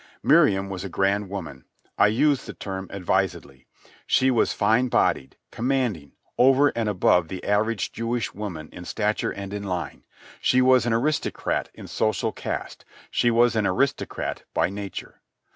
Miriam was a grand woman. I use the term advisedly. She was fine bodied, commanding, over and above the average Jewish woman in stature and in line. She was an aristocrat in social caste; she was an aristocrat by nature.